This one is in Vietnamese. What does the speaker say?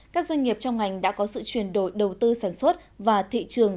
các doanh nghiệp trong ngành đã có sự chuyển đổi đầu tư sản xuất và thị trường